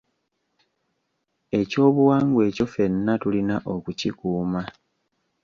Ekyobuwangwa ekyo ffenna tulina okukikuuma.